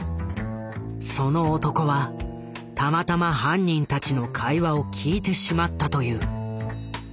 その男はたまたま犯人たちの会話を聞いてしまったという。